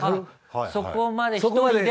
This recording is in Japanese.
そこまで一人で。